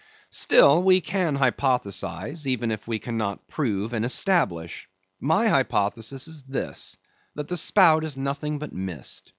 Still, we can hypothesize, even if we cannot prove and establish. My hypothesis is this: that the spout is nothing but mist.